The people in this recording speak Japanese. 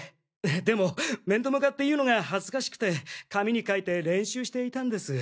でも面と向かって言うのが恥ずかしくて紙に書いて練習していたんです。